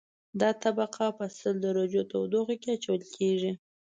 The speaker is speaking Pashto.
دا طبقه په سل درجو تودوخه کې اچول کیږي